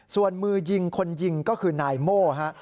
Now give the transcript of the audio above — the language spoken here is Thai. ส่วนมือยิงคนยิงก็คือนายโม่ฮะ